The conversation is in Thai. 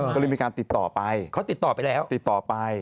ก็เลยมีการติดต่อไปเขาติดต่อไปแล้วติดต่อไป